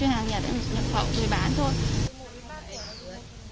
em nhập khẩu người bán thôi